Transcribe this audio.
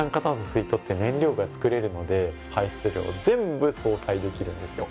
吸い取って燃料がつくれるので排出量を全部相殺できるんですよ。